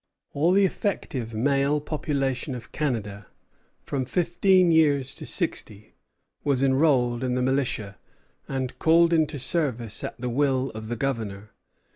All the effective male population of Canada, from fifteen years to sixty, was enrolled in the militia, and called into service at the will of the Governor.